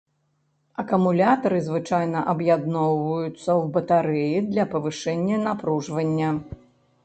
Акумулятары звычайна аб'ядноўваюцца ў батарэі для павышэння напружвання.